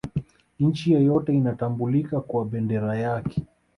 nchi yoyote inatambulika kwa bendera yake